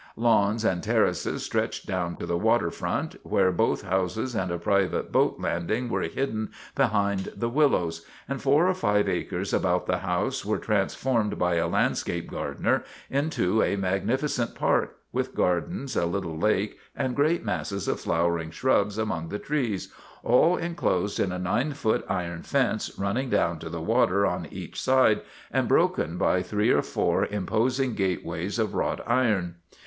Lawns and terraces stretched down to the water front, where both houses and a private boat landing were hidden behind the willows, and four or five acres about the house were transformed by a landscape gardener into a magnificent park, with gardens, a little lake, and great masses of flowering shrubs among the trees, all inclosed in a nine foot iron fence running down to the water on each side and broken by three or four imposing gateways of wrought iron.